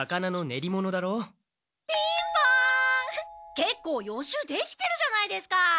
けっこう予習できてるじゃないですか。